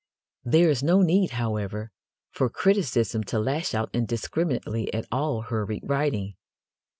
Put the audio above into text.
There is no need, however, for criticism to lash out indiscriminately at all hurried writing.